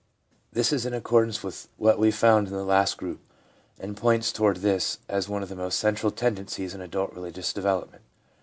This is in accordance with what we found in the last group, and points toward this as one of the most central tendencies in adult religious development.